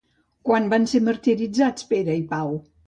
Quan van ser martiritzats Pere i Pau?